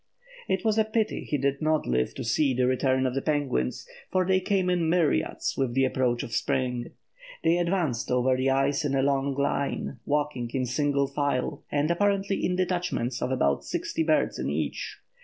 It was a pity he did not live to see the return of the penguins, for they came in myriads with the approach of spring. They advanced over the ice in a long line, walking in single file, and apparently in detachments of about sixty birds in each.